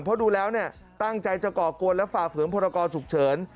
เพราะดูแล้วเนี่ยตั้งใจจะก่อกวนและฝ่าฝืนพรกรฉุกเฉิน